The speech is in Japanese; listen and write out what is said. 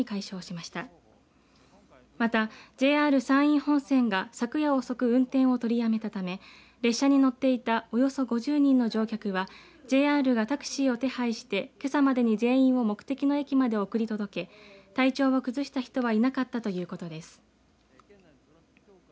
またＪＲ山陰本線が昨夜遅く運転を取りやめたため列車に乗っていたおよそ５０人の乗客はＪＲがタクシーを手配してけさまでに全員を目的の駅まで送り届け体調を崩した人はいなかったということです。